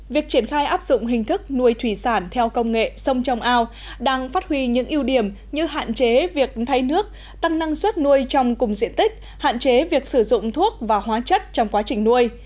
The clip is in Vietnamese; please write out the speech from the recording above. việc triển khai áp dụng hình thức nuôi thủy sản theo công nghệ sông trong ao đang phát huy những ưu điểm như hạn chế việc thay nước tăng năng suất nuôi trong cùng diện tích hạn chế việc sử dụng thuốc và hóa chất trong quá trình nuôi